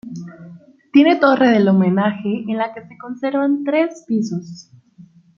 Tiene torre del homenaje en la que se conservan tres pisos.